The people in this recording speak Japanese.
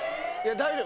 大丈夫！